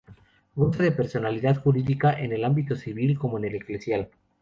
Goza de personalidad jurídica en el ámbito civil como en el eclesial.